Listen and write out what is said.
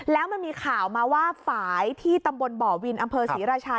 แล้วมันมีข่าวมาว่าฝ่ายที่ตำบลบ่อวินอำเภอศรีราชา